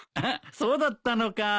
そうだったのか。